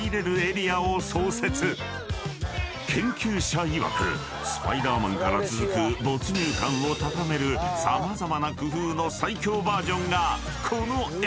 ［研究者いわくスパイダーマンから続く没入感を高める様々な工夫の最強バージョンがこのエリア］